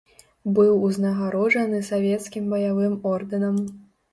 Быў узнагароджаны савецкім баявым ордэнам.